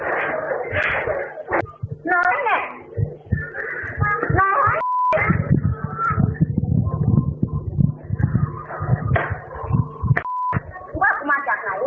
คุณรู้จักคุณน้อยไปแล้วคุณพอมาเอาฝากตัวไปคุณออกจากกูซะ